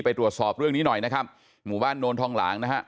ตรวจสอบเรื่องนี้หน่อยนะครับหมู่บ้านโนนทองหลางนะฮะ